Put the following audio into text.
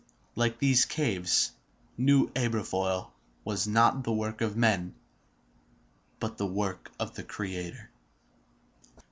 Like these caves, New Aberfoyle was not the work of men, but the work of the Creator.